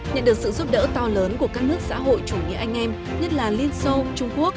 nhận được sự giúp đỡ to lớn của các nước xã hội chủ nghĩa anh em